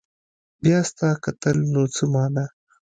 بيا ستا کتل نو څه معنا